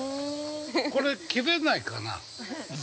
これ、切れないかな。